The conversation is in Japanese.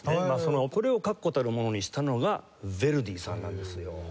これを確固たるものにしたのがヴェルディさんなんですよ。